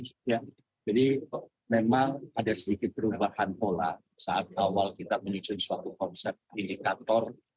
jadi memang ada sedikit perubahan pola saat awal kita menunjukkan suatu konsep indikator